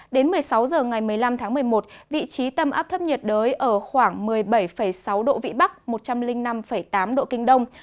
đến một mươi sáu h ngày một mươi năm tháng một mươi một vị trí tâm áp thấp nhiệt đới ở khoảng một mươi bảy sáu độ vĩ bắc một trăm linh năm tám độ kinh đông